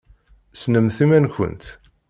Ssnemt iman-nkent!